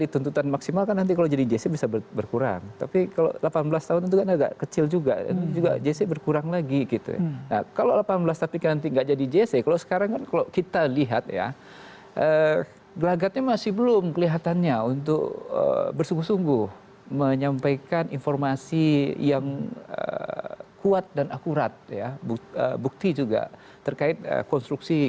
terima kasih menonton